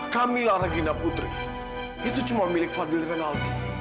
kamilah regina putri itu cuma milik fadil rinaldi